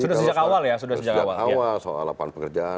sudah sejak awal ya